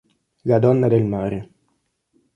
La donna del mare